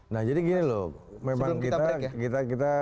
nah jadi gini loh memang kita